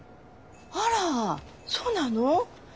あらそうなの？